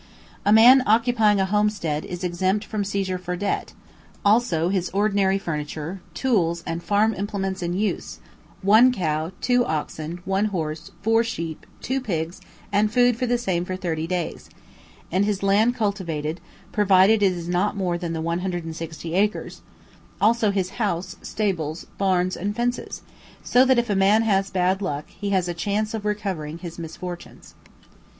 A man occupying a "homestead" is exempt from seizure for debt, also his ordinary furniture, tools, and farm implements in use, one cow, two oxen, one horse, four sheep, two pigs, and food for the same for thirty days; and his land cultivated, provided it is not more than the 160 acres; also his house, stables, barns and fences; so that if a man has bad luck, he has a chance of recovering his misfortunes.